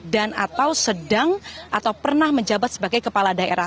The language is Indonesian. dan atau sedang atau pernah menjabat sebagai kepala daerah